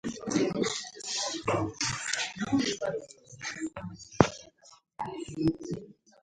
This led to ten years hiatus in the civil war.